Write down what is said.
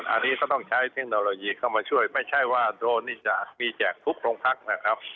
อันนี้ก็ต้องใช้เทคโนโลยีเข้ามาช่วยไม่ใช่ว่าโดรนนี่จะมีแจกทุกโรงพักนะครับ